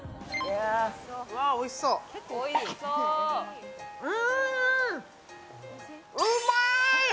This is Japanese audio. うわおいしそう。